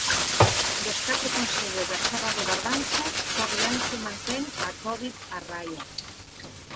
Dos catro concellos da serra do Barbanza, só Rianxo mantén a covid a raia.